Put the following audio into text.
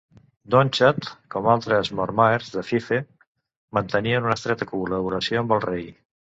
Donnchad, com altres mormaers de Fife, mantenia una estreta col·laboració amb el rei.